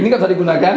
ini gak bisa digunakan